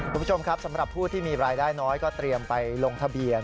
คุณผู้ชมครับสำหรับผู้ที่มีรายได้น้อยก็เตรียมไปลงทะเบียน